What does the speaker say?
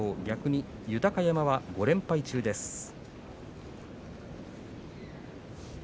逆に豊山は５連敗中です。